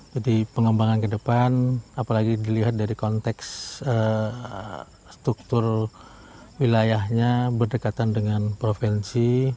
jadi pengembangan kedepan apalagi dilihat dari konteks struktur wilayahnya berdekatan dengan provinsi